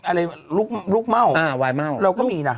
อะไรลูกเม่าเราก็มีนะ